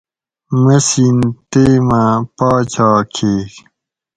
مسِین تیما پاچا کھیگ